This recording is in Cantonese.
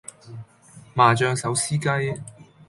麻醬手撕雞